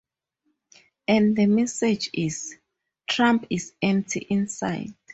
And the message is: Trump is empty inside.